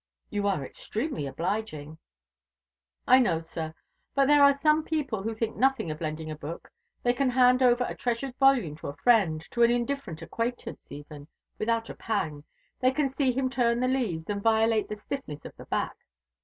"You are extremely obliging." "I know, sir, that there are some people who think nothing of lending a book; they can hand over a treasured volume to a friend to an indifferent acquaintance even without a pang; they can see him turn the leaves and violate the stiffness of the back.